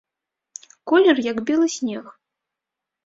Колер, як белы снег.